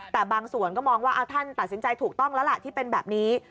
แต่บางส่วนก็มองว่าท่านตัดสินใจถูกต้องแล้วล่ะที่เป็นแบบนี้